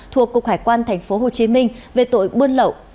thuộc cục hải quan tp hcm về tội buôn lậu